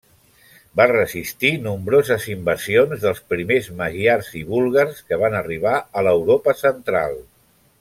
Va resistir nombroses invasions dels primers magiars i búlgars que van arribar a l'Europa central.